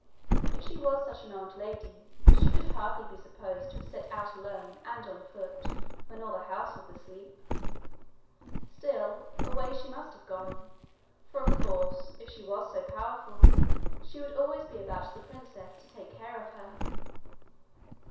If she was such an old lady, she could hardly be supposed to have set out alone and on foot when all the house was asleep. Still, away she must have gone, for, of course, if she was so powerful, she would always be about the princess to take care of her.